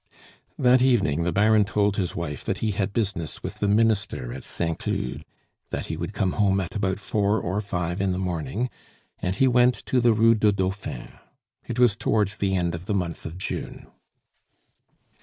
That evening the Baron told his wife that he had business with the Minister at Saint Cloud, that he would come home at about four or five in the morning; and he went to the Rue du Dauphin. It was towards the end of the month of June.